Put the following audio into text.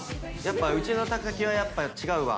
うちの木はやっぱ違うわ。